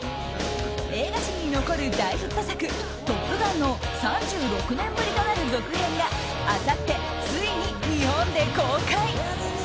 映画史に残る大ヒット作「トップガン」の３６年ぶりとなる続編があさって、ついに日本で公開。